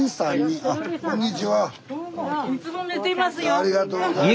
ありがとうございます。